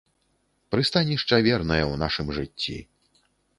Прыстанішча вернае ў нашым жыцці.